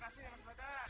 terima kasih ya mas badar